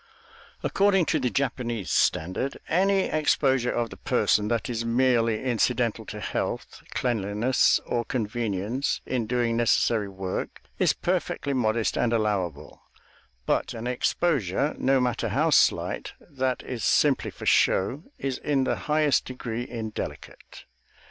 According to the Japanese standard, any exposure of the person that is merely incidental to health, cleanliness, or convenience in doing necessary work, is perfectly modest and allowable; but an exposure, no matter how slight, that is simply for show, is in the highest degree indelicate.